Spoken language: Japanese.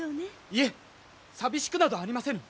いえ寂しくなどありませぬ！